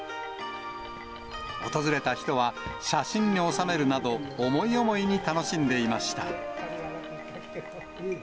訪れた人は写真に収めるなど、思い思いに楽しんでいました。